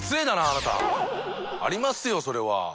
あなた！ありますよそれは。